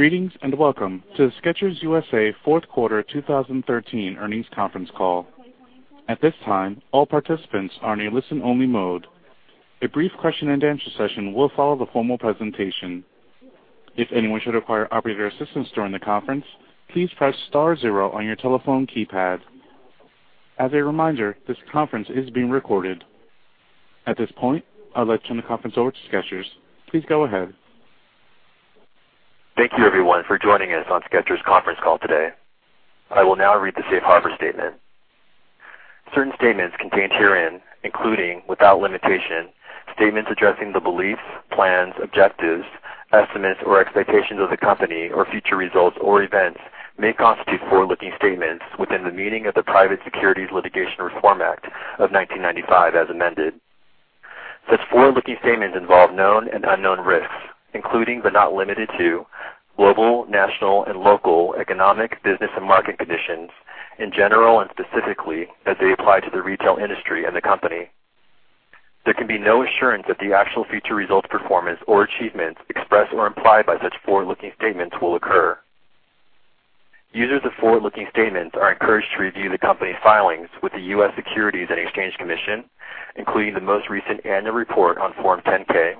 Greetings, welcome to the Skechers U.S.A. fourth quarter 2013 earnings conference call. At this time, all participants are in a listen-only mode. A brief question-and-answer session will follow the formal presentation. If anyone should require operator assistance during the conference, please press star zero on your telephone keypad. As a reminder, this conference is being recorded. At this point, I'll let turn the conference over to Skechers. Please go ahead. Thank you, everyone, for joining us on Skechers conference call today. I will now read the safe harbor statement. Certain statements contained herein, including, without limitation, statements addressing the beliefs, plans, objectives, estimates, or expectations of the company or future results or events may constitute forward-looking statements within the meaning of the Private Securities Litigation Reform Act of 1995 as amended. Such forward-looking statements involve known and unknown risks, including but not limited to global, national, and local economic business and market conditions in general and specifically as they apply to the retail industry and the company. There can be no assurance that the actual future results, performance, or achievements expressed or implied by such forward-looking statements will occur. Users of forward-looking statements are encouraged to review the company's filings with the U.S. Securities and Exchange Commission, including the most recent annual report on Form 10-K,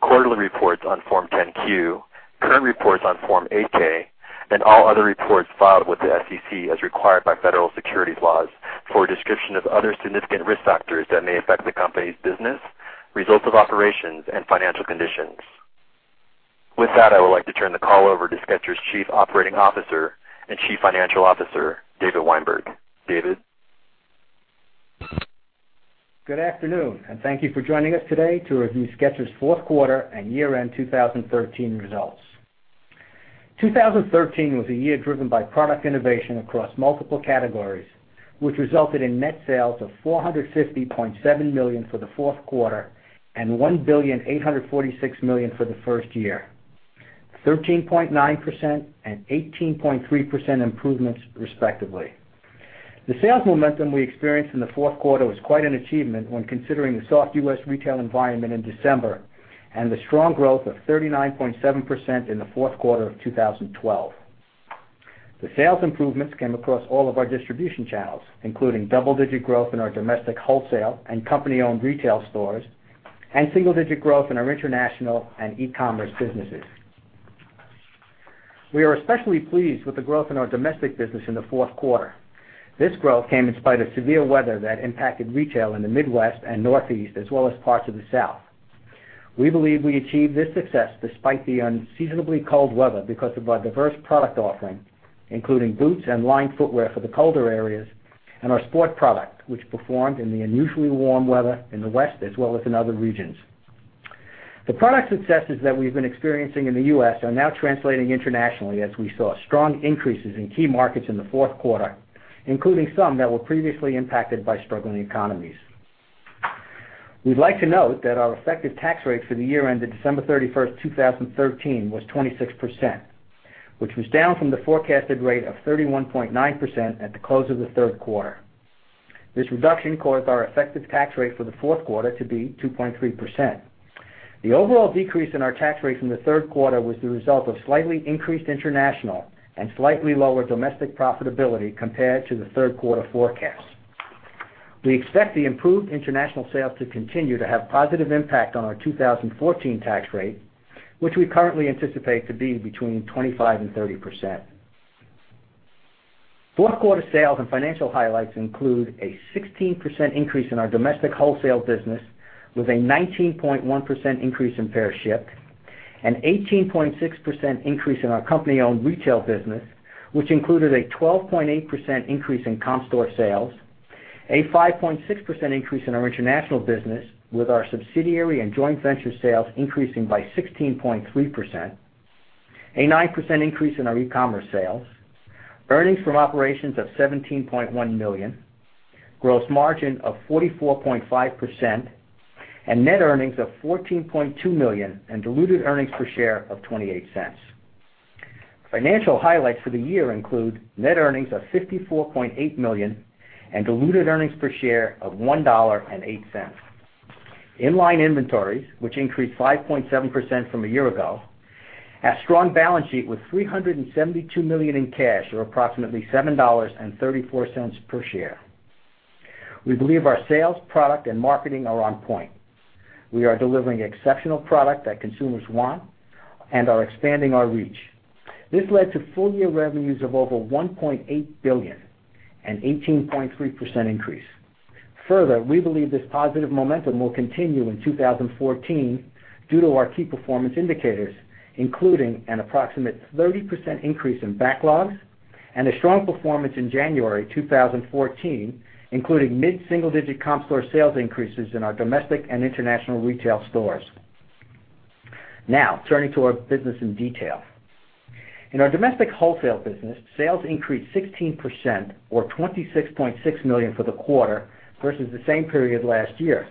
quarterly reports on Form 10-Q, current reports on Form 8-K, and all other reports filed with the SEC as required by federal securities laws for a description of other significant risk factors that may affect the company's business, results of operations, and financial conditions. With that, I would like to turn the call over to Skechers Chief Operating Officer and Chief Financial Officer, David Weinberg. David? Good afternoon, thank you for joining us today to review Skechers' fourth quarter and year-end 2013 results. 2013 was a year driven by product innovation across multiple categories, which resulted in net sales of $450.7 million for the fourth quarter and $1.846 billion for the first year, 13.9% and 18.3% improvements respectively. The sales momentum we experienced in the fourth quarter was quite an achievement when considering the soft U.S. retail environment in December and the strong growth of 39.7% in the fourth quarter of 2012. The sales improvements came across all of our distribution channels, including double-digit growth in our domestic wholesale and company-owned retail stores and single-digit growth in our international and e-commerce businesses. We are especially pleased with the growth in our domestic business in the fourth quarter. This growth came in spite of severe weather that impacted retail in the Midwest and Northeast as well as parts of the South. We believe we achieved this success despite the unseasonably cold weather because of our diverse product offering, including boots and lined footwear for the colder areas, and our sport product, which performed in the unusually warm weather in the West as well as in other regions. The product successes that we've been experiencing in the U.S. are now translating internationally as we saw strong increases in key markets in the fourth quarter, including some that were previously impacted by struggling economies. We'd like to note that our effective tax rate for the year ended December 31st, 2013, was 26%, which was down from the forecasted rate of 31.9% at the close of the third quarter. This reduction caused our effective tax rate for the fourth quarter to be 2.3%. The overall decrease in our tax rate from the third quarter was the result of slightly increased international and slightly lower domestic profitability compared to the third quarter forecast. We expect the improved international sales to continue to have a positive impact on our 2014 tax rate, which we currently anticipate to be between 25% and 30%. Fourth quarter sales and financial highlights include a 16% increase in our domestic wholesale business, with a 19.1% increase in pair shipped, an 18.6% increase in our company-owned retail business, which included a 12.8% increase in comp store sales, a 5.6% increase in our international business with our subsidiary and joint venture sales increasing by 16.3%, a 9% increase in our e-commerce sales, earnings from operations of $17.1 million, gross margin of 44.5%, and net earnings of $14.2 million and diluted earnings per share of $0.28. Financial highlights for the year include net earnings of $54.8 million and diluted earnings per share of $1.08. In-line inventories, which increased 5.7% from a year ago, have a strong balance sheet with $372 million in cash, or approximately $7.34 per share. We believe our sales, product, and marketing are on point. We are delivering exceptional product that consumers want and are expanding our reach. This led to full-year revenues of over $1.8 billion, an 18.3% increase. Further, we believe this positive momentum will continue in 2014 due to our key performance indicators, including an approximate 30% increase in backlogs and a strong performance in January 2014, including mid-single-digit comp store sales increases in our domestic and international retail stores. Now, turning to our business in detail. In our domestic wholesale business, sales increased 16%, or $26.6 million for the quarter versus the same period last year.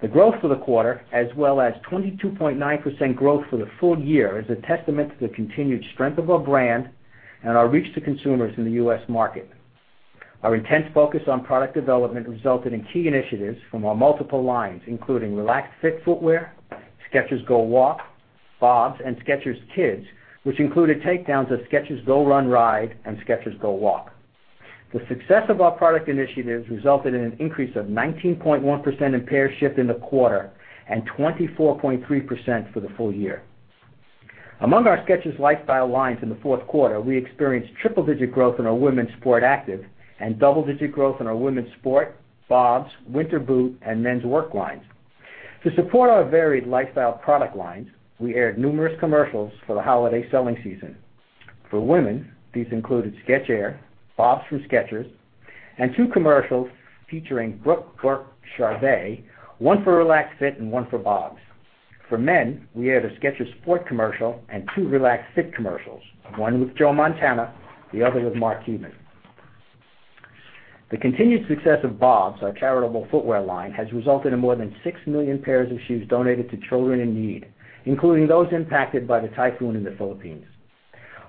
The growth for the quarter, as well as 22.9% growth for the full year, is a testament to the continued strength of our brand and our reach to consumers in the U.S. market. Our intense focus on product development resulted in key initiatives from our multiple lines, including Relaxed Fit footwear, Skechers GO WALK, BOBS, and Skechers Kids, which included takedowns of Skechers GO RUN ride and Skechers GO WALK. The success of our product initiatives resulted in an increase of 19.1% in pair shipped in the quarter and 24.3% for the full year. Among our Skechers lifestyle lines in the fourth quarter, we experienced triple-digit growth in our women's sport active and double-digit growth in our women's sport, BOBS, winter boot, and men's work lines. To support our varied lifestyle product lines, we aired numerous commercials for the holiday selling season. For women, these included Skech-Air, BOBS from Skechers, and two commercials featuring Brooke Burke-Charvet, one for Relaxed Fit and one for BOBS. For men, we aired a Skechers sport commercial and two Relaxed Fit commercials, one with Joe Montana, the other with Mark Cuban. The continued success of BOBS, our charitable footwear line, has resulted in more than 6 million pairs of shoes donated to children in need, including those impacted by the typhoon in the Philippines.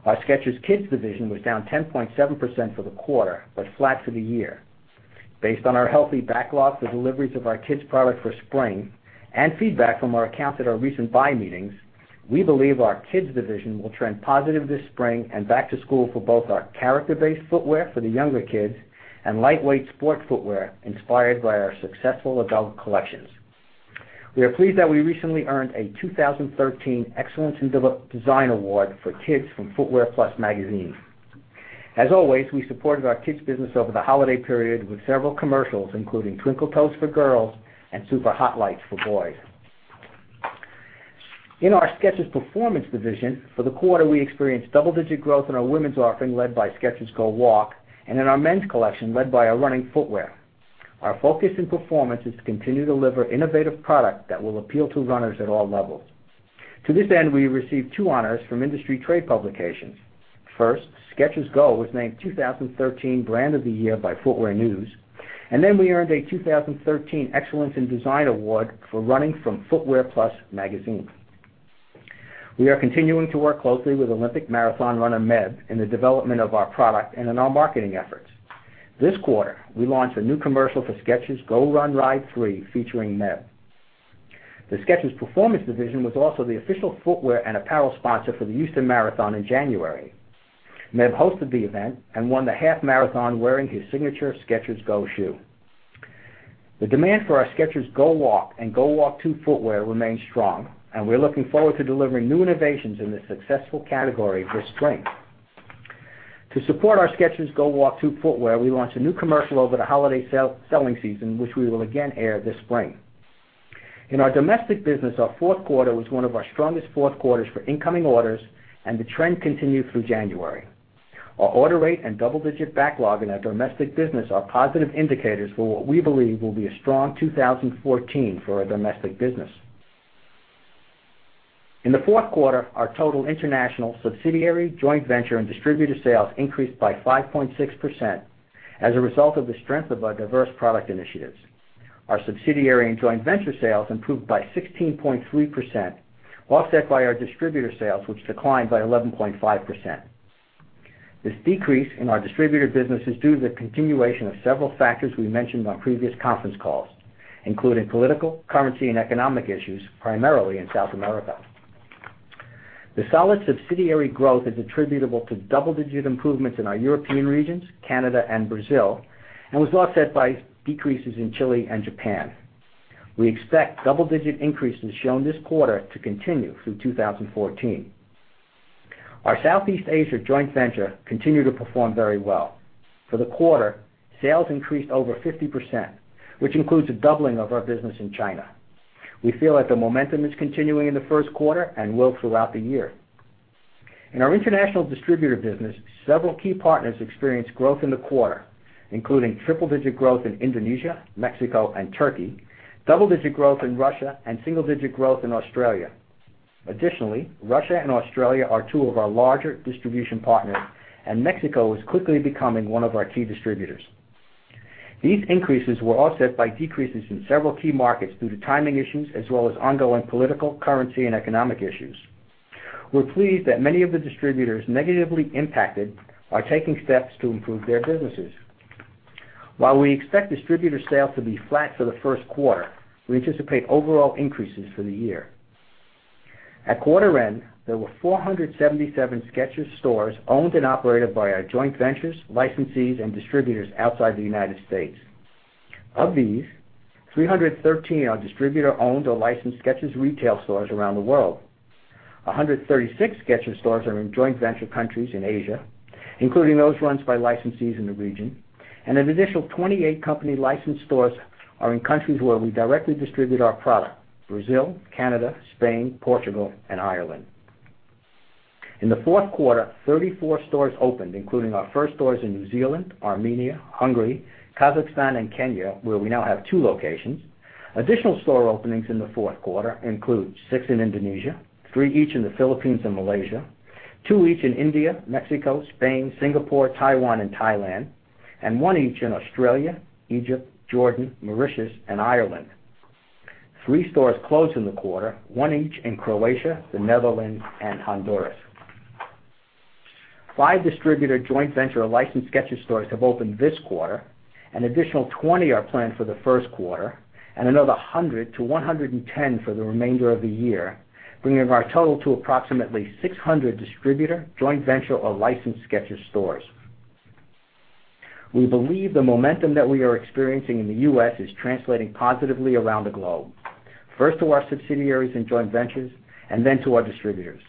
Our Skechers Kids division was down 10.7% for the quarter, but flat for the year. Based on our healthy backlog for deliveries of our Kids product for spring and feedback from our accounts at our recent buy meetings, we believe our Kids division will trend positive this spring and back to school for both our character-based footwear for the younger Kids and lightweight sport footwear inspired by our successful adult collections. We are pleased that we recently earned a 2013 Excellence in Design award for Kids from Footwear Plus Magazine. As always, we supported our Kids business over the holiday period with several commercials, including Twinkle Toes for girls and S-Lights for boys. In our Skechers Performance division for the quarter, we experienced double-digit growth in our women's offering led by Skechers GO WALK and in our men's collection led by our running footwear. Our focus in Performance is to continue to deliver innovative product that will appeal to runners at all levels. To this end, we received two honors from industry trade publications. First, Skechers GO was named 2013 Brand of the Year by Footwear News. We earned a 2013 Excellence in Design award for running from Footwear Plus Magazine. We are continuing to work closely with Olympic marathon runner Meb in the development of our product and in our marketing efforts. This quarter, we launched a new commercial for Skechers GO RUN Ride 3 featuring Meb. The Skechers Performance division was also the official footwear and apparel sponsor for the Houston Marathon in January. Meb hosted the event and won the half marathon wearing his signature Skechers GO shoe. The demand for our Skechers GO WALK and Skechers GO WALK 2 footwear remains strong. We're looking forward to delivering new innovations in this successful category this spring. To support our Skechers GO WALK 2 footwear, we launched a new commercial over the holiday selling season, which we will again air this spring. In our domestic business, our fourth quarter was one of our strongest fourth quarters for incoming orders. The trend continued through January. Our order rate and double-digit backlog in our domestic business are positive indicators for what we believe will be a strong 2014 for our domestic business. In the fourth quarter, our total international subsidiary, joint venture, and distributor sales increased by 5.6% as a result of the strength of our diverse product initiatives. Our subsidiary and joint venture sales improved by 16.3%, offset by our distributor sales, which declined by 11.5%. This decrease in our distributor business is due to the continuation of several factors we mentioned on previous conference calls, including political, currency, and economic issues, primarily in South America. The solid subsidiary growth is attributable to double-digit improvements in our European regions, Canada, and Brazil, and was offset by decreases in Chile and Japan. We expect double-digit increases shown this quarter to continue through 2014. Our Southeast Asia joint venture continued to perform very well. For the quarter, sales increased over 50%, which includes a doubling of our business in China. We feel that the momentum is continuing in the first quarter and will throughout the year. In our international distributor business, several key partners experienced growth in the quarter, including triple-digit growth in Indonesia, Mexico, and Turkey, double-digit growth in Russia, and single-digit growth in Australia. Additionally, Russia and Australia are two of our larger distribution partners, and Mexico is quickly becoming one of our key distributors. These increases were offset by decreases in several key markets due to timing issues as well as ongoing political, currency, and economic issues. We're pleased that many of the distributors negatively impacted are taking steps to improve their businesses. While we expect distributor sales to be flat for the first quarter, we anticipate overall increases for the year. At quarter end, there were 477 Skechers stores owned and operated by our joint ventures, licensees, and distributors outside the U.S. Of these, 313 are distributor-owned or licensed Skechers retail stores around the world. 136 Skechers stores are in joint venture countries in Asia, including those runs by licensees in the region, and an additional 28 company-licensed stores are in countries where we directly distribute our product: Brazil, Canada, Spain, Portugal, and Ireland. In the fourth quarter, 34 stores opened, including our first stores in New Zealand, Armenia, Hungary, Kazakhstan, and Kenya, where we now have two locations. Additional store openings in the fourth quarter include six in Indonesia, three each in the Philippines and Malaysia, two each in India, Mexico, Spain, Singapore, Taiwan, and Thailand, and one each in Australia, Egypt, Jordan, Mauritius, and Ireland. Three stores closed in the quarter, one each in Croatia, the Netherlands, and Honduras. Five distributor joint venture licensed Skechers stores have opened this quarter. Additional 20 are planned for the first quarter, and another 100 to 110 for the remainder of the year, bringing our total to approximately 600 distributor joint venture or licensed Skechers stores. We believe the momentum that we are experiencing in the U.S. is translating positively around the globe. First to our subsidiaries and joint ventures, then to our distributors.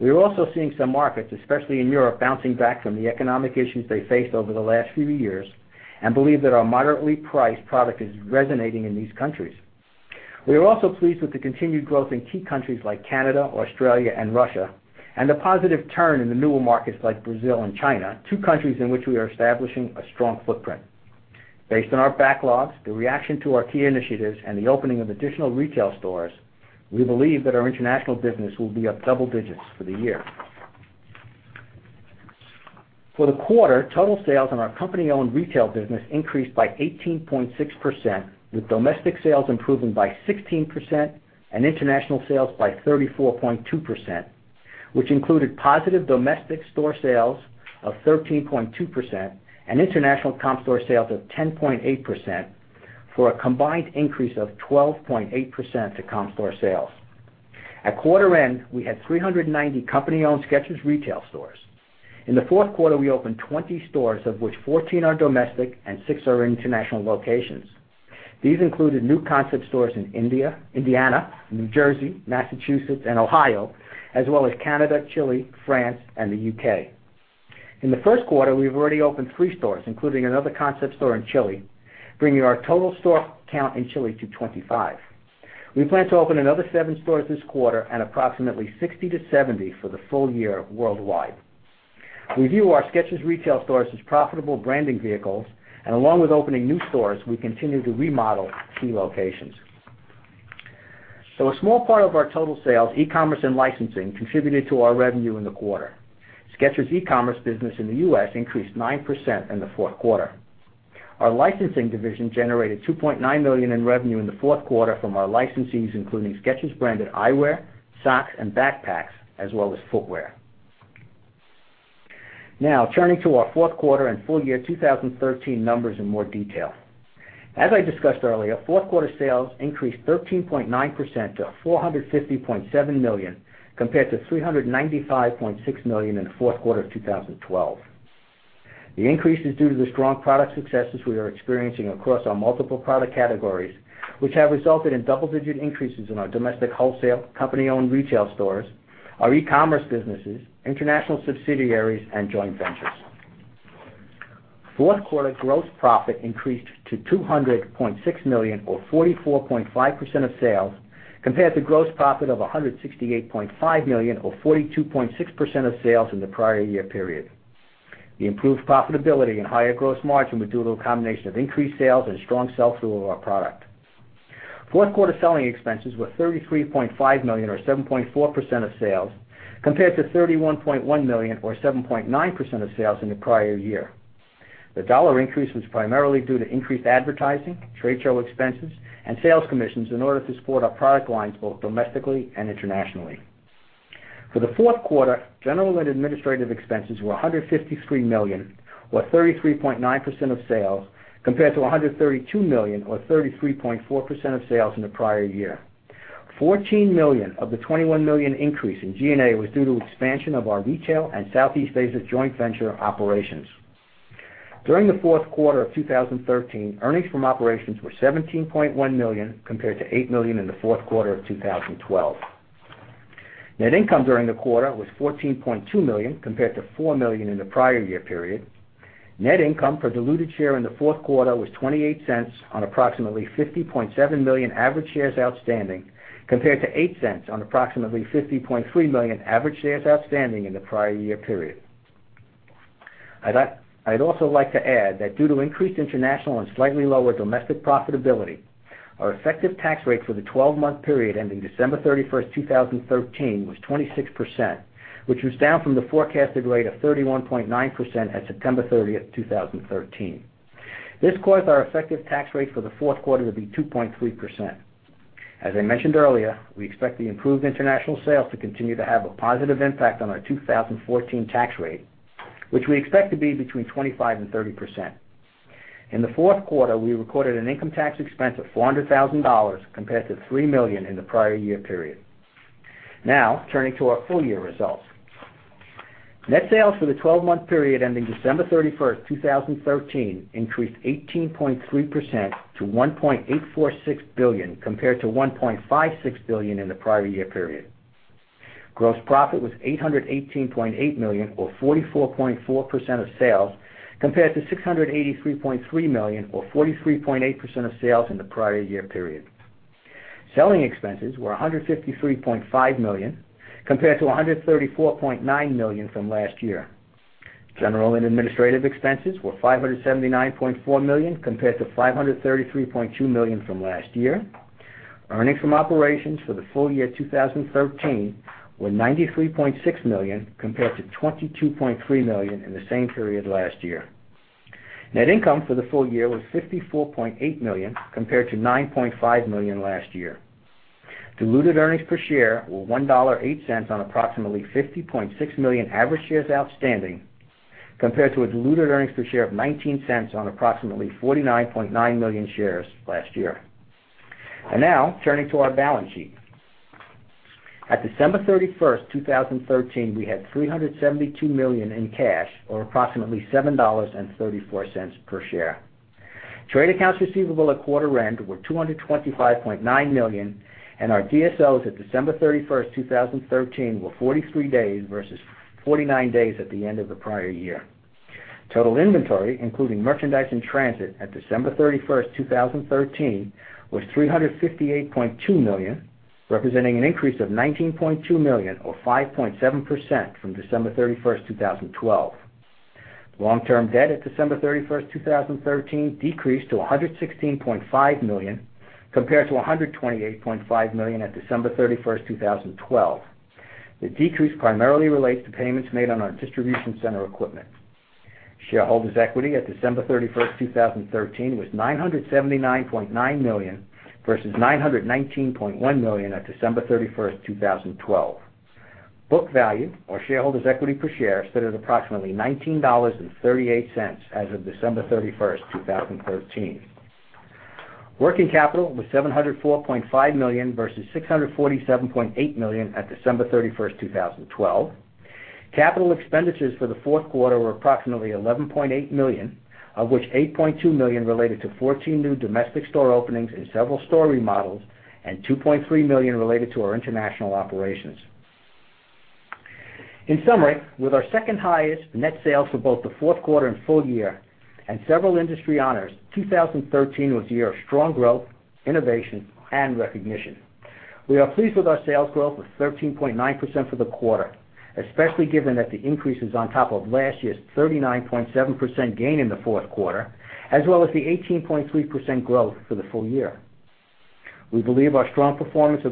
We are also seeing some markets, especially in Europe, bouncing back from the economic issues they faced over the last few years, and believe that our moderately priced product is resonating in these countries. We are also pleased with the continued growth in key countries like Canada, Australia, and Russia, and the positive turn in the newer markets like Brazil and China, two countries in which we are establishing a strong footprint. Based on our backlogs, the reaction to our key initiatives, and the opening of additional retail stores, we believe that our international business will be up double digits for the year. For the quarter, total sales in our company-owned retail business increased by 18.6%, with domestic sales improving by 16% and international sales by 34.2%, which included positive domestic store sales of 13.2% and international comp store sales of 10.8%, for a combined increase of 12.8% to comp store sales. At quarter end, we had 390 company-owned Skechers retail stores. In the fourth quarter, we opened 20 stores, of which 14 are domestic and six are in international locations. These included new concept stores in Indiana, New Jersey, Massachusetts, and Ohio, as well as Canada, Chile, France, and the U.K. In the first quarter, we've already opened three stores, including another concept store in Chile, bringing our total store count in Chile to 25. We plan to open another seven stores this quarter and approximately 60 to 70 for the full year worldwide. A small part of our total sales, e-commerce and licensing, contributed to our revenue in the quarter. Skechers e-commerce business in the U.S. increased 9% in the fourth quarter. Our licensing division generated $2.9 million in revenue in the fourth quarter from our licensees, including Skechers-branded eyewear, socks, and backpacks, as well as footwear. Turning to our fourth quarter and full year 2013 numbers in more detail. As I discussed earlier, fourth quarter sales increased 13.9% to $450.7 million, compared to $395.6 million in the fourth quarter of 2012. The increase is due to the strong product successes we are experiencing across our multiple product categories, which have resulted in double-digit increases in our domestic wholesale company-owned retail stores, our e-commerce businesses, international subsidiaries, and joint ventures. Fourth quarter gross profit increased to $200.6 million or 44.5% of sales, compared to gross profit of $168.5 million or 42.6% of sales in the prior year period. The improved profitability and higher gross margin were due to a combination of increased sales and strong sell-through of our product. Fourth quarter selling expenses were $33.5 million or 7.4% of sales, compared to $31.1 million or 7.9% of sales in the prior year. The dollar increase was primarily due to increased advertising, trade show expenses, and sales commissions in order to support our product lines both domestically and internationally. For the fourth quarter, general and administrative expenses were $153 million or 33.9% of sales, compared to $132 million or 33.4% of sales in the prior year. $14 million of the $21 million increase in G&A was due to expansion of our retail and Southeast Asia joint venture operations. During the fourth quarter of 2013, earnings from operations were $17.1 million, compared to $8 million in the fourth quarter of 2012. Net income during the quarter was $14.2 million, compared to $4 million in the prior year period. Net income per diluted share in the fourth quarter was $0.28 on approximately 50.7 million average shares outstanding, compared to $0.08 on approximately 50.3 million average shares outstanding in the prior year period. I'd also like to add that due to increased international and slightly lower domestic profitability, our effective tax rate for the 12-month period ending December 31st, 2013 was 26%, which was down from the forecasted rate of 31.9% at September 30th, 2013. This caused our effective tax rate for the fourth quarter to be 2.3%. As I mentioned earlier, we expect the improved international sales to continue to have a positive impact on our 2014 tax rate, which we expect to be between 25% and 30%. In the fourth quarter, we recorded an income tax expense of $400,000, compared to $3 million in the prior year period. Turning to our full-year results. Net sales for the 12-month period ending December 31st, 2013, increased 18.3% to $1.846 billion, compared to $1.56 billion in the prior year period. Gross profit was $818.8 million or 44.4% of sales, compared to $683.3 million or 43.8% of sales in the prior year period. Selling expenses were $153.5 million, compared to $134.9 million from last year. General and administrative expenses were $579.4 million, compared to $533.2 million from last year. Earnings from operations for the full year 2013 were $93.6 million, compared to $22.3 million in the same period last year. Net income for the full year was $54.8 million compared to $9.5 million last year. Diluted earnings per share were $1.08 on approximately 50.6 million average shares outstanding, compared to a diluted earnings per share of $0.19 on approximately 49.9 million shares last year. Turning to our balance sheet. At December 31st, 2013, we had $372 million in cash, or approximately $7.34 per share. Trade accounts receivable at quarter end were $225.9 million, and our DSOs at December 31st, 2013, were 43 days versus 49 days at the end of the prior year. Total inventory, including merchandise in transit at December 31st, 2013, was $358.2 million, representing an increase of $19.2 million or 5.7% from December 31st, 2012. Long-term debt at December 31st, 2013, decreased to $116.5 million compared to $128.5 million at December 31st, 2012. The decrease primarily relates to payments made on our distribution center equipment. Shareholders' equity at December 31st, 2013, was $979.9 million versus $919.1 million at December 31st, 2012. Book value or shareholders' equity per share stood at approximately $19.38 as of December 31st, 2013. Working capital was $704.5 million versus $647.8 million at December 31st, 2012. Capital expenditures for the fourth quarter were approximately $11.8 million, of which $8.2 million related to 14 new domestic store openings and several store remodels and $2.3 million related to our international operations. In summary, with our second highest net sales for both the fourth quarter and full year and several industry honors, 2013 was a year of strong growth, innovation, and recognition. We are pleased with our sales growth of 13.9% for the quarter, especially given that the increase is on top of last year's 39.7% gain in the fourth quarter, as well as the 18.3% growth for the full year. We believe our strong performance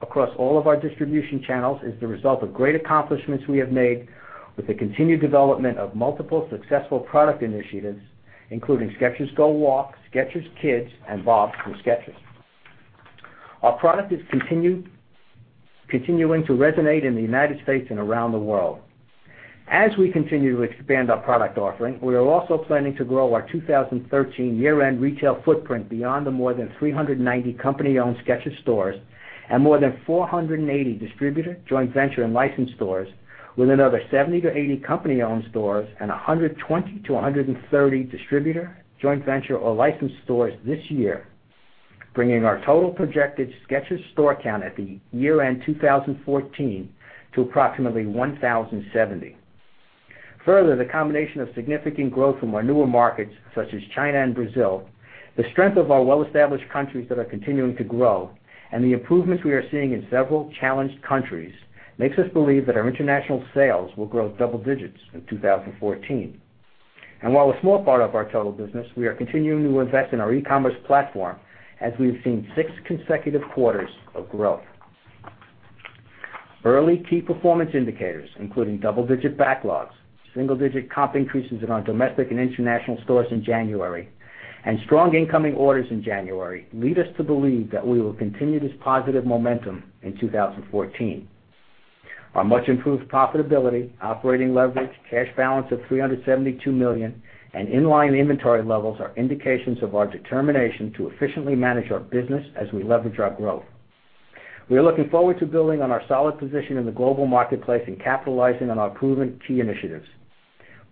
across all of our distribution channels is the result of great accomplishments we have made with the continued development of multiple successful product initiatives, including Skechers GO WALK, Skechers Kids, and BOBS from Skechers. Our product is continuing to resonate in the United States and around the world. As we continue to expand our product offering, we are also planning to grow our 2013 year-end retail footprint beyond the more than 390 company-owned Skechers stores and more than 480 distributor, joint venture, and licensed stores with another 70-80 company-owned stores and 120-130 distributor, joint venture, or licensed stores this year, bringing our total projected Skechers store count at the year-end 2014 to approximately 1,070. The combination of significant growth from our newer markets, such as China and Brazil, the strength of our well-established countries that are continuing to grow, and the improvements we are seeing in several challenged countries makes us believe that our international sales will grow double digits in 2014. While a small part of our total business, we are continuing to invest in our e-commerce platform as we have seen six consecutive quarters of growth. Early key performance indicators, including double-digit backlogs, single-digit comp increases in our domestic and international stores in January, and strong incoming orders in January lead us to believe that we will continue this positive momentum in 2014. Our much improved profitability, operating leverage, cash balance of $372 million, and in-line inventory levels are indications of our determination to efficiently manage our business as we leverage our growth. We are looking forward to building on our solid position in the global marketplace and capitalizing on our proven key initiatives.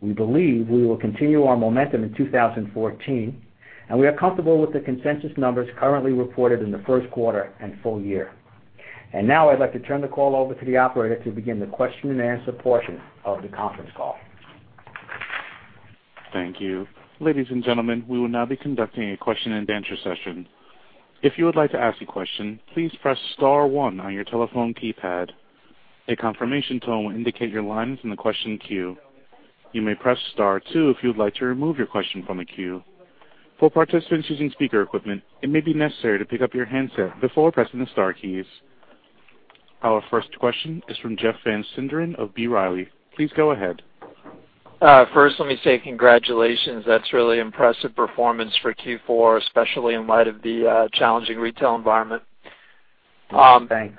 We believe we will continue our momentum in 2014, and we are comfortable with the consensus numbers currently reported in the first quarter and full year. Now I'd like to turn the call over to the operator to begin the question and answer portion of the conference call. Thank you. Ladies and gentlemen, we will now be conducting a question and answer session. If you would like to ask a question, please press *1 on your telephone keypad. A confirmation tone will indicate your line is in the question queue. You may press *2 if you would like to remove your question from the queue. For participants using speaker equipment, it may be necessary to pick up your handset before pressing the star keys. Our first question is from Jeff Van Sinderen of B. Riley. Please go ahead. First, let me say congratulations. That's really impressive performance for Q4, especially in light of the challenging retail environment. Thanks.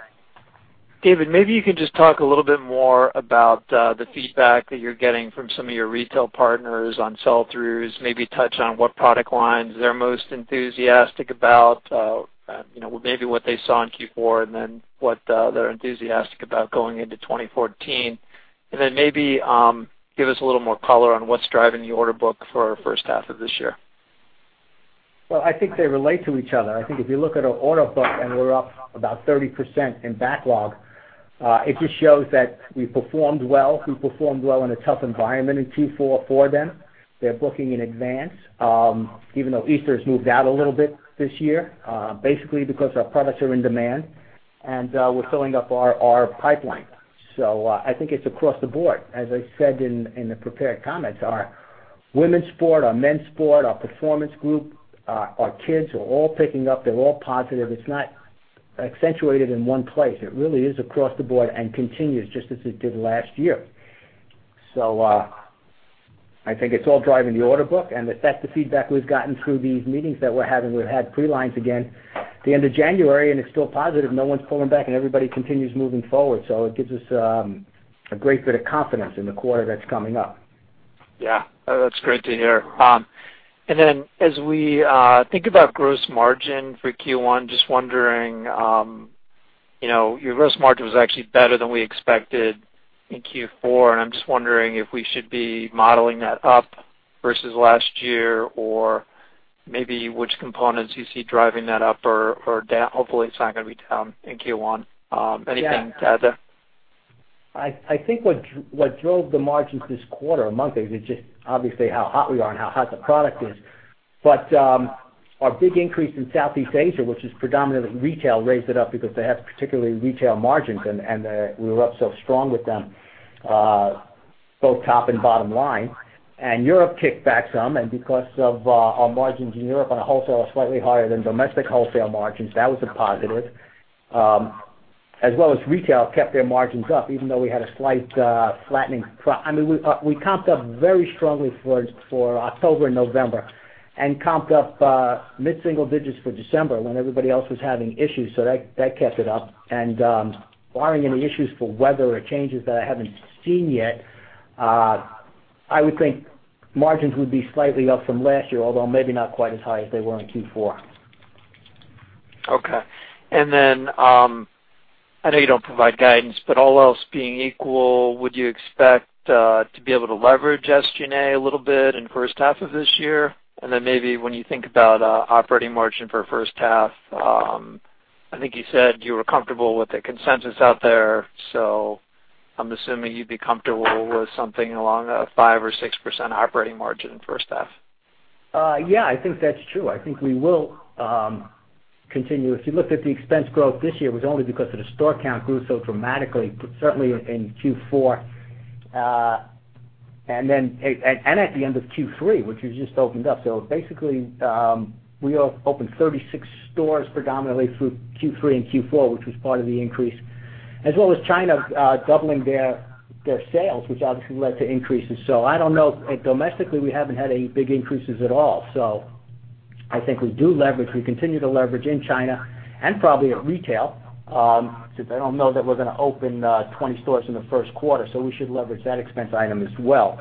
David, maybe you can just talk a little bit more about the feedback that you're getting from some of your retail partners on sell-throughs, maybe touch on what product lines they're most enthusiastic about, maybe what they saw in Q4, then what they're enthusiastic about going into 2014. Maybe give us a little more color on what's driving the order book for our first half of this year. Well, I think they relate to each other. I think if you look at our order book, we're up about 30% in backlog, it just shows that we performed well. We performed well in a tough environment in Q4 for them. They're booking in advance even though Easter's moved out a little bit this year basically because our products are in demand, we're filling up our pipeline. I think it's across the board. As I said in the prepared comments, our women's sport, our men's sport, our performance group, our kids are all picking up. They're all positive. It's not accentuated in one place. It really is across the board continues just as it did last year. I think it's all driving the order book, that's the feedback we've gotten through these meetings that we're having. We've had pre-lines again the end of January, it's still positive. No one's pulling back, everybody continues moving forward. It gives us a great bit of confidence in the quarter that's coming up. That's great to hear. As we think about gross margin for Q1, just wondering, your gross margin was actually better than we expected in Q4. I'm just wondering if we should be modeling that up versus last year or maybe which components you see driving that up or down. Hopefully, it's not going to be down in Q1. Anything to add there? I think what drove the margins this quarter, among things, is just obviously how hot we are and how hot the product is. Our big increase in Southeast Asia, which is predominantly retail, raised it up because they have particularly retail margins, and we were up so strong with them, both top and bottom line. Europe kicked back some, and because of our margins in Europe on a wholesale are slightly higher than domestic wholesale margins, that was a positive. As well as retail kept their margins up, even though we had a slight flattening. We comped up very strongly for October and November, and comped up mid-single digits for December when everybody else was having issues, so that kept it up. Barring any issues for weather or changes that I haven't seen yet, I would think margins would be slightly up from last year, although maybe not quite as high as they were in Q4. I know you don't provide guidance, but all else being equal, would you expect to be able to leverage SG&A a little bit in the first half of this year? Maybe when you think about operating margin for the first half, I think you said you were comfortable with the consensus out there. I'm assuming you'd be comfortable with something along the 5% or 6% operating margin first half. I think that's true. I think we will continue. If you looked at the expense growth this year, it was only because the store count grew so dramatically, certainly in Q4. At the end of Q3, which we just opened up. Basically, we opened 36 stores predominantly through Q3 and Q4, which was part of the increase. As well as China doubling their sales, which obviously led to increases. I don't know. Domestically, we haven't had any big increases at all. I think we do leverage. We continue to leverage in China and probably at retail. I don't know that we're going to open 20 stores in the first quarter, so we should leverage that expense item as well.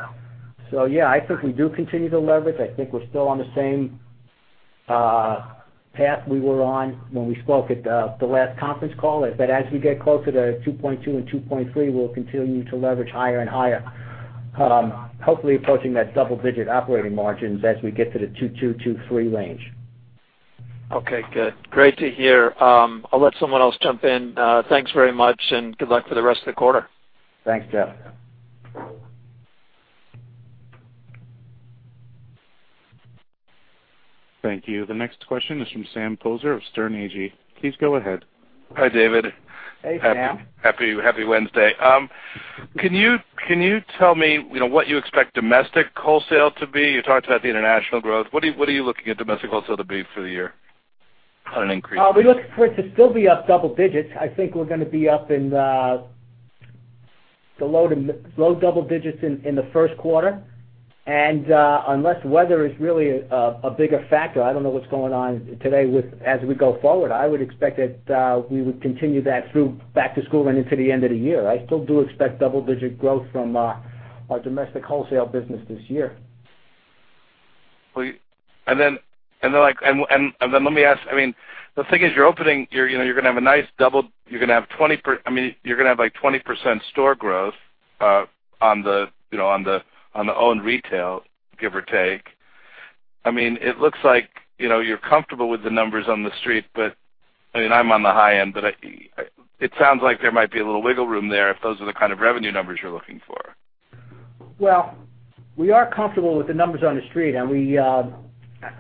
I think we do continue to leverage. I think we're still on the same path we were on when we spoke at the last conference call. As we get closer to 2.2 and 2.3, we'll continue to leverage higher and higher. Hopefully approaching that double-digit operating margins as we get to the 2.22-2.23 range. Good. Great to hear. I'll let someone else jump in. Thanks very much and good luck for the rest of the quarter. Thanks, Jeff. Thank you. The next question is from Sam Poser of Sterne Agee. Please go ahead. Hi, David. Hey, Sam. Happy Wednesday. Can you tell me what you expect domestic wholesale to be? You talked about the international growth. What are you looking at domestic wholesale to be for the year on an increase? We look for it to still be up double digits. I think we're going to be up in the low double digits in the first quarter. Unless weather is really a bigger factor, I don't know what's going on today as we go forward, I would expect that we would continue that through back to school and into the end of the year. I still do expect double-digit growth from our domestic wholesale business this year. Let me ask, the thing is you're going to have like 20% store growth on the owned retail, give or take. It looks like you're comfortable with the numbers on the street, I'm on the high end, but it sounds like there might be a little wiggle room there if those are the kind of revenue numbers you're looking for. Well, we are comfortable with the numbers on the street, and we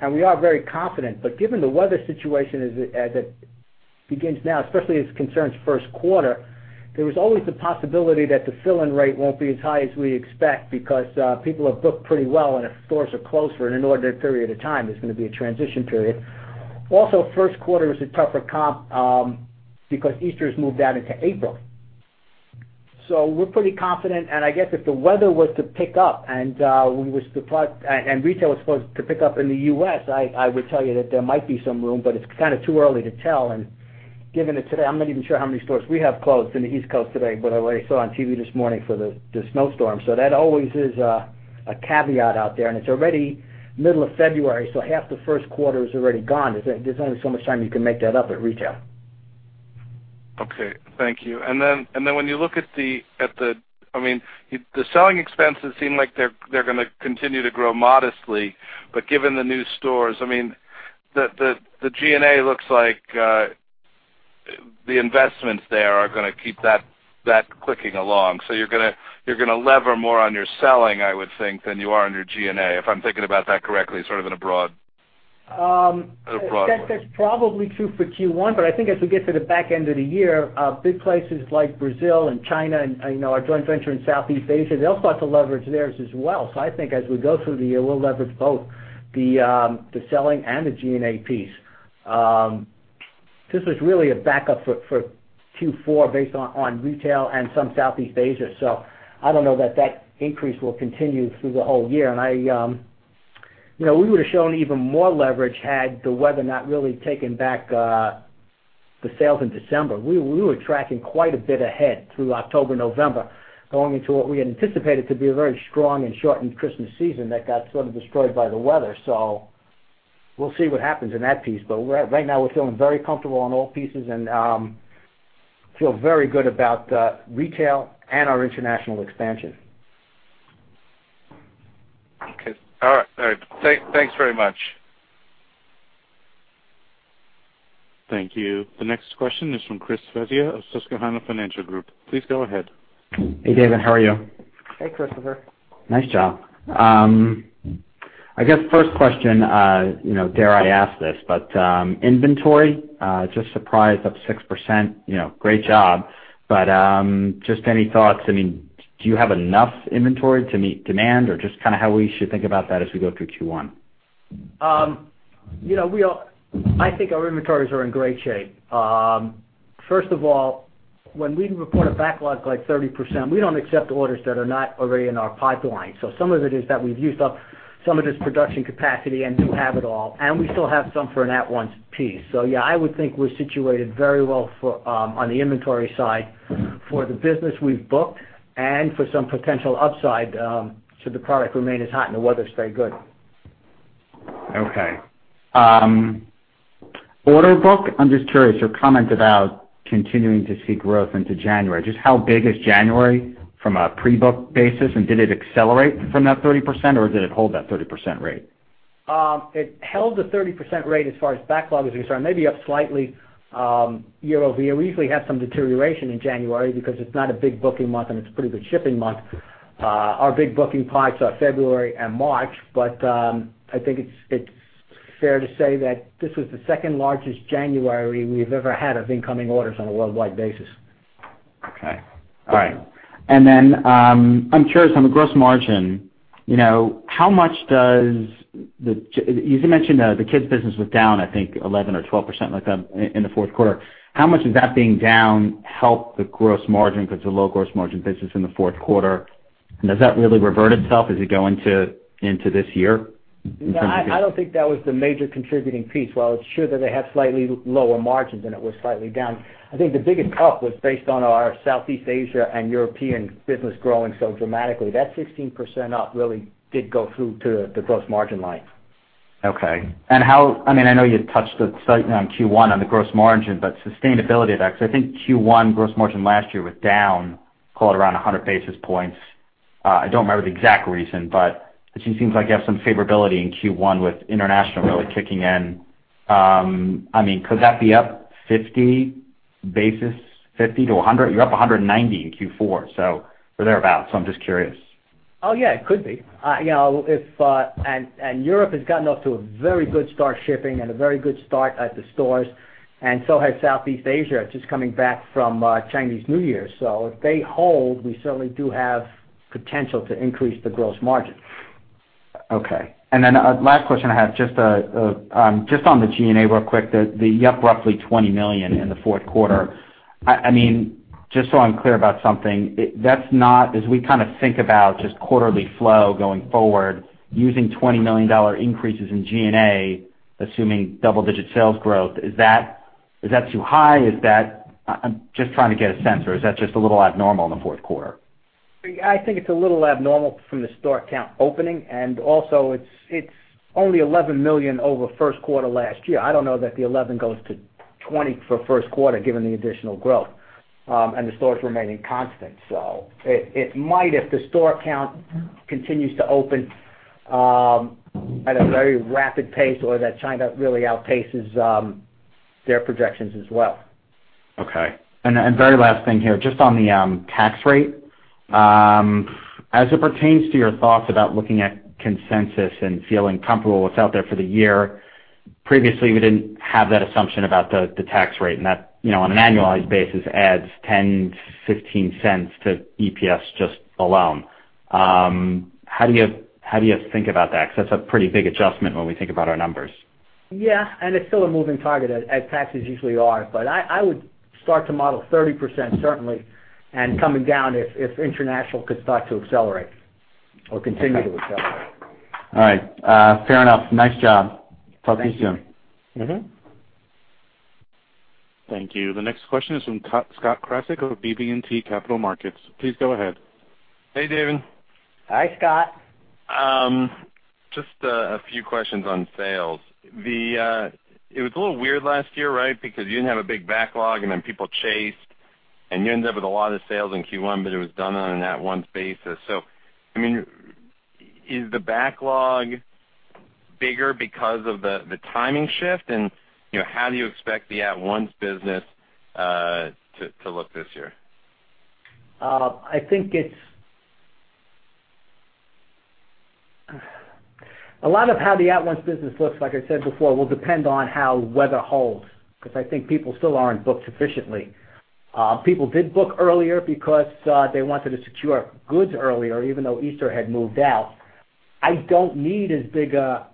are very confident. Given the weather situation as it begins now, especially as concerns first quarter, there is always the possibility that the fill-in rate won't be as high as we expect because people have booked pretty well, and if stores are closed for an inordinate period of time, there's going to be a transition period. Also, first quarter is a tougher comp because Easter has moved out into April. We're pretty confident, and I guess if the weather was to pick up and retail was supposed to pick up in the U.S., I would tell you that there might be some room, but it's kind of too early to tell. Given it today, I'm not even sure how many stores we have closed in the East Coast today, by the way, I saw on TV this morning for the snowstorm. That always is a caveat out there, and it's already middle of February, so half the first quarter is already gone. There's only so much time you can make that up at retail. Okay. Thank you. When you look at the selling expenses seem like they're going to continue to grow modestly. Given the new stores, the G&A looks like the investments there are going to keep that clicking along. You're going to lever more on your selling, I would think, than you are on your G&A, if I'm thinking about that correctly, sort of in a broad way. That's probably true for Q1. I think as we get to the back end of the year, big places like Brazil and China and our joint venture in Southeast Asia, they all start to leverage theirs as well. I think as we go through the year, we'll leverage both the selling and the G&A piece. This was really a backup for Q4 based on retail and some Southeast Asia. I don't know that that increase will continue through the whole year. We would've shown even more leverage had the weather not really taken back the sales in December. We were tracking quite a bit ahead through October, November, going into what we had anticipated to be a very strong and shortened Christmas season that got sort of destroyed by the weather. We'll see what happens in that piece. Right now, we're feeling very comfortable on all pieces and feel very good about retail and our international expansion. Okay. All right. Thanks very much. Thank you. The next question is from Christopher Svezia of Susquehanna Financial Group. Please go ahead. Hey, David, how are you? Hey, Christopher. Nice job. I guess first question, dare I ask this, but inventory just surprised up 6%. Great job. Just any thoughts, do you have enough inventory to meet demand or just kind of how we should think about that as we go through Q1? I think our inventories are in great shape. First of all, when we report a backlog like 30%, we don't accept orders that are not already in our pipeline. Some of it is that we've used up some of this production capacity and do have it all, and we still have some for an at-once piece. Yeah, I would think we're situated very well on the inventory side for the business we've booked and for some potential upside should the product remain as hot and the weather stay good. Okay. Order book, I'm just curious, your comment about continuing to see growth into January. Just how big is January from a pre-book basis, and did it accelerate from that 30%, or did it hold that 30% rate? It held the 30% rate as far as backlog is concerned, maybe up slightly year-over-year. We usually have some deterioration in January because it's not a big booking month, and it's a pretty big shipping month. Our big booking parts are February and March, I think it's fair to say that this was the second largest January we've ever had of incoming orders on a worldwide basis. Okay. All right. Then, I'm curious on the gross margin. You mentioned the kids' business was down, I think 11% or 12%, like that, in the fourth quarter. How much of that being down helped the gross margin because the low gross margin business in the fourth quarter? Does that really revert itself as you go into this year? I don't think that was the major contributing piece. While it's true that they had slightly lower margins and it was slightly down, I think the biggest up was based on our Southeast Asia and European business growing so dramatically. That 16% up really did go through to the gross margin line. I know you touched slightly on Q1 on the gross margin, sustainability of that, because I think Q1 gross margin last year was down call it around 100 basis points. I don't remember the exact reason, it just seems like you have some favorability in Q1 with international really kicking in. Could that be up 50 basis, 50 basis points to 100 basis points? You're up 190 basis points in Q4, or thereabout. I'm just curious. Yeah, it could be. Europe has gotten off to a very good start shipping and a very good start at the stores, and so has Southeast Asia. It's just coming back from Chinese New Year. If they hold, we certainly do have potential to increase the gross margin. Last question I have, just on the G&A real quick, the up roughly $20 million in the fourth quarter. Just so I'm clear about something, as we kind of think about just quarterly flow going forward, using $20 million increases in G&A, assuming double-digit sales growth, is that too high? I'm just trying to get a sense. Is that just a little abnormal in the fourth quarter? I think it's a little abnormal from the store count opening. Also it's only $11 million over first quarter last year. I don't know that the 11 goes to 20 for first quarter, given the additional growth, and the stores remaining constant. It might, if the store count continues to open at a very rapid pace or that China really outpaces their projections as well. Okay. Very last thing here, just on the tax rate. As it pertains to your thoughts about looking at consensus and feeling comfortable with what's out there for the year, previously, we didn't have that assumption about the tax rate. That on an annualized basis adds $0.10-$0.15 to EPS just alone. How do you think about that? That's a pretty big adjustment when we think about our numbers. Yeah, it's still a moving target, as taxes usually are. I would start to model 30%, certainly, and coming down if international could start to accelerate or continue to accelerate. All right. Fair enough. Nice job. Talk to you soon. Thank you. Mm-hmm. Thank you. The next question is from Scott Krasik of BB&T Capital Markets. Please go ahead. Hey, David. Hi, Scott. Just a few questions on sales. It was a little weird last year, right? Because you didn't have a big backlog, and then people chased, and you end up with a lot of sales in Q1, but it was done on an at-once basis. Is the backlog bigger because of the timing shift? How do you expect the at-once business to look this year? A lot of how the at-once business looks, like I said before, will depend on how weather holds because I think people still aren't booked sufficiently. People did book earlier because they wanted to secure goods earlier, even though Easter had moved out. I don't need as big a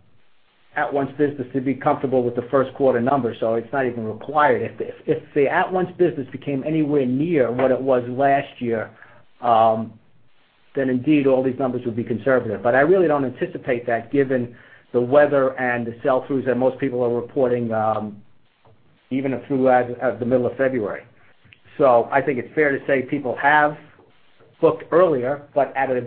at-once business to be comfortable with the first quarter numbers. It's not even required. If the at-once business became anywhere near what it was last year, then indeed all these numbers would be conservative. I really don't anticipate that given the weather and the sell-throughs that most people are reporting, even through the middle of February. I think it's fair to say people have booked earlier, but at a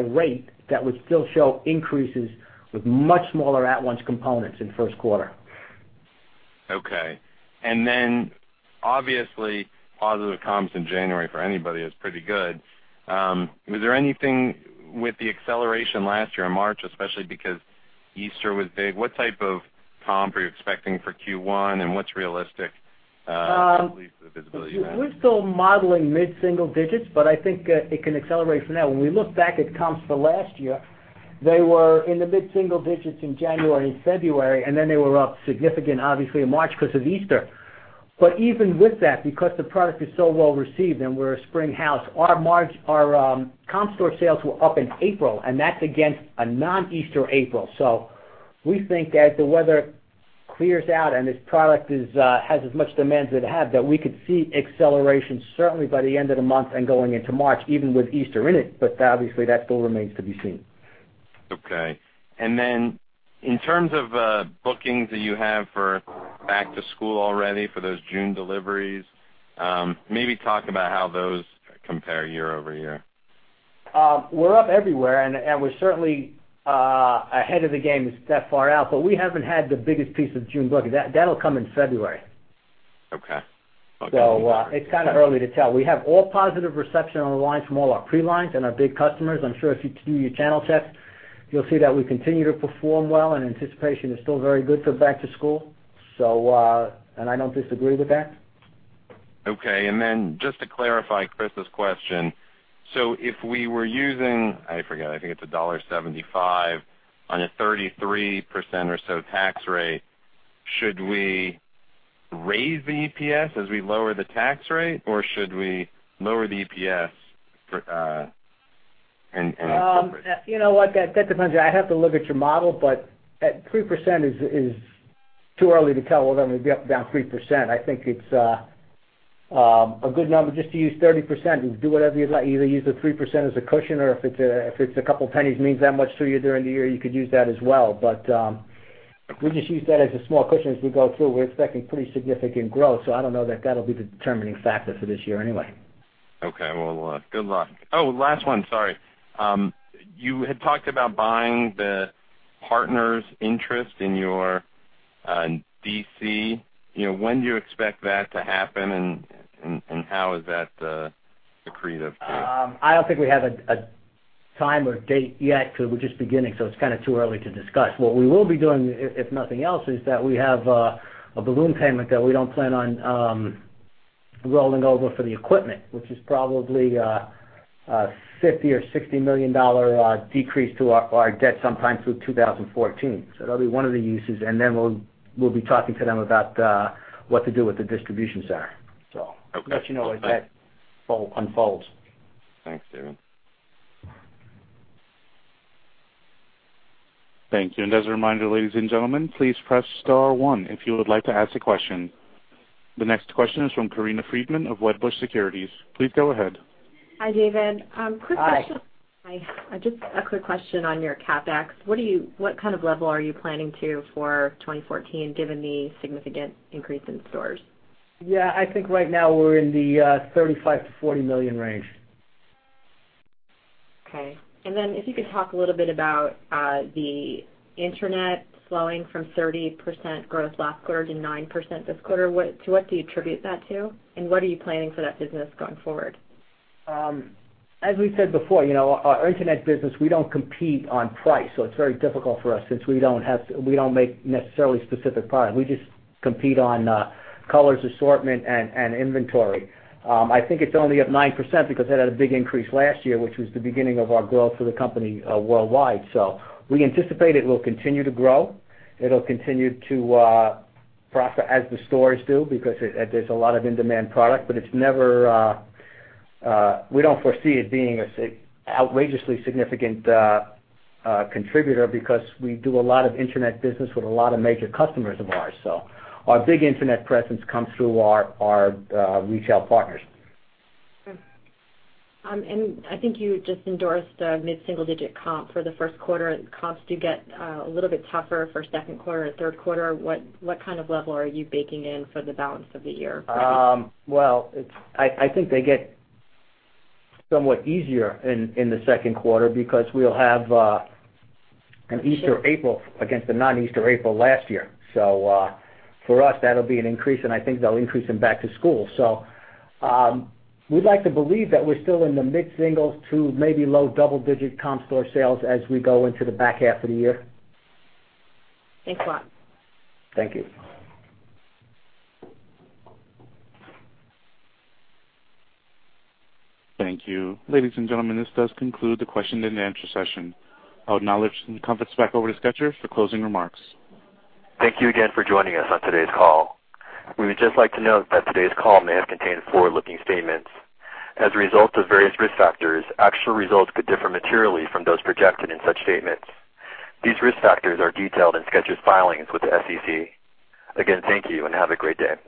rate that would still show increases with much smaller at-once components in the first quarter. Okay. Obviously, positive comps in January for anybody is pretty good. Was there anything with the acceleration last year in March, especially because Easter was big? What type of comp are you expecting for Q1? What's realistic at least for visibility then? We're still modeling mid-single digits. I think it can accelerate from there. When we look back at comps for last year, they were in the mid-single digits in January and February. They were up significant obviously in March because of Easter. Even with that, because the product is so well received and we're a spring house, our comp store sales were up in April, and that's against a non-Easter April. We think as the weather clears out and this product has as much demand that it had, that we could see acceleration certainly by the end of the month and going into March, even with Easter in it. Obviously, that still remains to be seen. Okay. Then in terms of bookings that you have for back to school already for those June deliveries, maybe talk about how those compare year-over-year. We're up everywhere, and we're certainly ahead of the game this far out. We haven't had the biggest piece of June booking. That'll come in February. Okay. It's kind of early to tell. We have all positive reception on the lines from all our pre-lines and our big customers. I'm sure if you do your channel check, you'll see that we continue to perform well and anticipation is still very good for back to school. I don't disagree with that. Okay, then just to clarify Chris's question. If we were using, I forget, I think it's $1.75 on a 33% or so tax rate, should we raise the EPS as we lower the tax rate, or should we lower the EPS and incorporate it? You know what? That depends. I'd have to look at your model, but at 3% is too early to tell whether I'm going to be up or down 3%. I think it's a good number just to use 30%. Do whatever you'd like. Either use the 3% as a cushion or if it's a couple pennies means that much to you during the year, you could use that as well. We just use that as a small cushion as we go through. We're expecting pretty significant growth, I don't know that that'll be the determining factor for this year anyway. Okay. Well, good luck. Oh, last one, sorry. You had talked about buying the partner's interest in your DC. When do you expect that to happen, and how is that accretive to you? I don't think we have a time or date yet because we're just beginning, so it's kind of too early to discuss. What we will be doing, if nothing else, is that we have a balloon payment that we don't plan on rolling over for the equipment, which is probably a $50 million or $60 million decrease to our debt sometime through 2014. That'll be one of the uses. We'll be talking to them about what to do with the distribution center. We'll let you know as that unfolds. Thanks, David. Thank you. As a reminder, ladies and gentlemen, please one press star if you would like to ask a question. The next question is from Corinna Freedman of Wedbush Securities. Please go ahead. Hi, David. Hi. Just a quick question on your CapEx. What kind of level are you planning to for 2014, given the significant increase in stores? Yeah, I think right now we're in the $35 million-$40 million range. Okay. If you could talk a little bit about the internet slowing from 30% growth last quarter to 9% this quarter. To what do you attribute that to, and what are you planning for that business going forward? As we said before, our internet business, we don't compete on price. It's very difficult for us since we don't make necessarily specific product. We just compete on colors, assortment, and inventory. I think it's only up 9% because it had a big increase last year, which was the beginning of our growth for the company worldwide. We anticipate it will continue to grow. It'll continue to prosper as the stores do because there's a lot of in-demand product. We don't foresee it being an outrageously significant contributor because we do a lot of internet business with a lot of major customers of ours. Our big internet presence comes through our retail partners. I think you just endorsed a mid-single-digit comp for the first quarter. Comps do get a little bit tougher for second quarter and third quarter. What kind of level are you baking in for the balance of the year? Well, I think they get somewhat easier in the second quarter because we'll have an Easter April against the non-Easter April last year. For us, that'll be an increase, I think that'll increase in back to school. We'd like to believe that we're still in the mid-single to maybe low double-digit comp store sales as we go into the back half of the year. Thanks a lot. Thank you. Thank you. Ladies and gentlemen, this does conclude the question and answer session. I would now turn the conference back over to Skechers for closing remarks. Thank you again for joining us on today's call. We would just like to note that today's call may have contained forward-looking statements. As a result of various risk factors, actual results could differ materially from those projected in such statements. These risk factors are detailed in Skechers' filings with the SEC. Again, thank you, and have a great day.